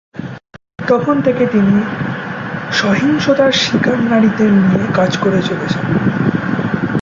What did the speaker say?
তখন থেকে তিনি সহিংসতার শিকার নারীদের নিয়ে কাজ করে চলেছেন।